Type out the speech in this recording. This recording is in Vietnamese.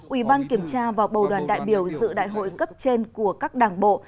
ủy ban kiểm tra và bầu đoàn đại biểu sự đại hội cấp trên của các đảng bộ